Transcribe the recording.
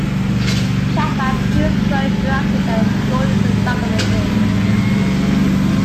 Chapman produced, wrote, directed and scored the documentary.